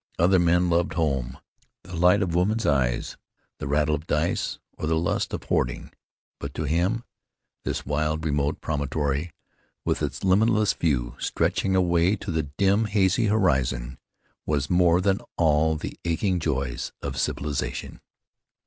Other men loved home, the light of woman's eyes, the rattle of dice or the lust of hoarding; but to him this wild, remote promontory, with its limitless view, stretching away to the dim hazy horizon, was more than all the aching joys of civilization.